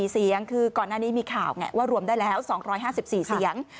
๔เสียงคือก่อนหน้านี้มีข่าวไงว่ารวมได้แล้ว๒๕๔เสียง